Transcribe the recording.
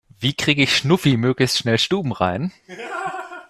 Wie kriege ich Schnuffi möglichst schnell stubenrein?